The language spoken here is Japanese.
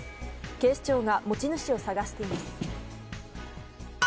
警視庁が持ち主を探しています。